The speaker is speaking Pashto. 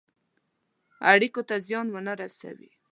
اړېکو ته زیان ونه رسوي.